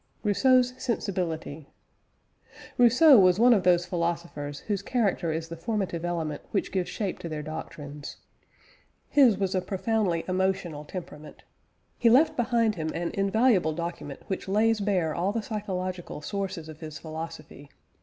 ROUSSEAU'S "SENSIBILITY." Rousseau was one of those philosophers whose character is the formative element which gives shape to their doctrines. His was a profoundly emotional temperament. He left behind him an invaluable document which lays bare all the psychological sources of his philosophy.